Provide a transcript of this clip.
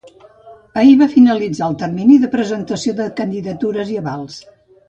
Ahir va finalitzar el termini de presentació de candidatures i avals.